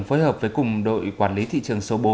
phối hợp với cùng đội quản lý thị trường số bốn